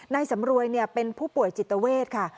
สำรวยเป็นผู้ป่วยจิตเวทค่ะ